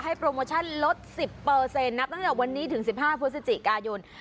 ให้โปรโมชั่นลด๑๐เปอร์เซ็นต์นะตั้งแต่วันนี้ถึง๑๕พฤศจิกายน